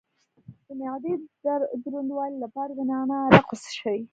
د معدې د دروندوالي لپاره د نعناع عرق وڅښئ